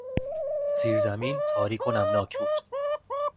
زیرزمین تاریک و نمناک بود.